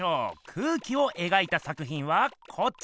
空気を描いた作ひんはこっち！